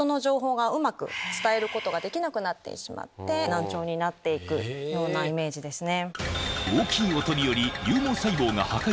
難聴になっていくようなイメージですね。